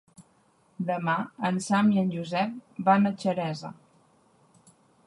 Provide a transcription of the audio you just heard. Demà en Sam i en Josep van a Xeresa.